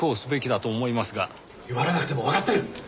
言われなくてもわかってる！